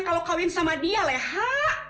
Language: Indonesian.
kalau kawin sama dia leha